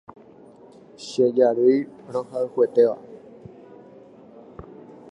Che jarýi rohayhuetéva